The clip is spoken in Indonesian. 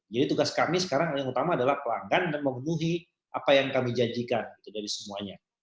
jadi tugas kami sekarang yang utama adalah pelanggan dan memenuhi apa yang kami janjikan dari semuanya